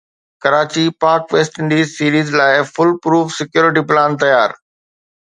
Karachi Pak West Indies series لاءِ foolproof security plan تيار